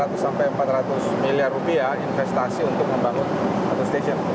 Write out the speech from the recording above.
jadi sekitar dua ratus sampai empat ratus miliar rupiah investasi untuk membangun satu stasiun